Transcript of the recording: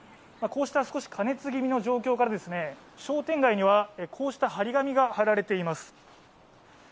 こうした少し過熱気味の状況から商店街にはこうした貼り紙が貼られています。